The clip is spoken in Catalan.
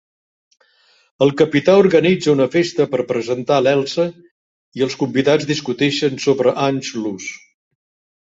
El capità organitza una festa per presentar l'Elsa, i els convidats discuteixen sobre "Anschluss".